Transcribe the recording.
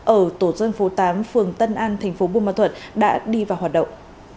ở tổ dân phố tám phường tân an tp bùa mạ thuận đã đi vào hoạt động